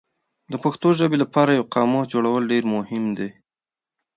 د پښتو ژبې لپاره یو قاموس جوړول ډېر مهم دي.